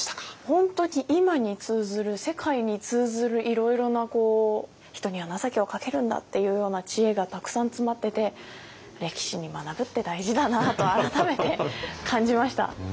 本当に今に通ずる世界に通ずるいろいろなこう人には情けをかけるんだっていうような知恵がたくさん詰まっててと改めて感じました。